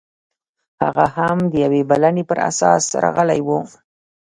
هغه هم د یوې بلنې پر اساس راغلی و